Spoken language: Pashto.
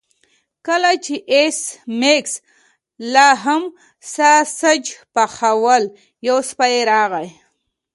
کله چې ایس میکس لاهم ساسج پخول یو سپی راغی